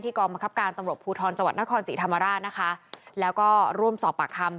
กองบังคับการตำรวจภูทรจังหวัดนครศรีธรรมราชนะคะแล้วก็ร่วมสอบปากคำ